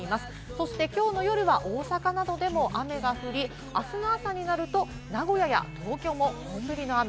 そして今日の夜は大阪などでも雨が降り、明日の朝になると名古屋や東京も本降りの雨。